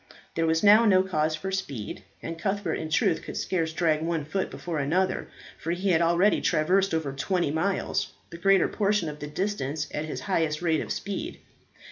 There was now no cause for speed, and Cuthbert in truth could scarce drag one foot before another, for he had already traversed over twenty miles, the greater portion of the distance at his highest rate of speed.